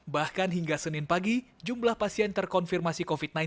bahkan hingga senin pagi jumlah pasien terkonfirmasi covid sembilan belas